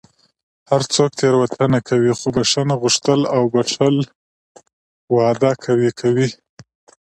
هر څوک تېروتنه کوي، خو بښنه غوښتل او بښل واده قوي کوي.